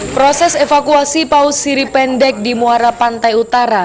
proses evakuasi paus siri pendek di muara pantai utara